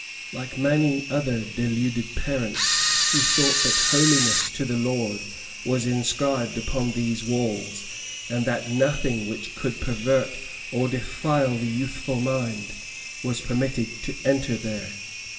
Like many other deluded parents, he thought that "Holiness to the Lord" was inscribed upon those walls, and that nothing which could pervert or defile the youthful mind, was permitted to enter there.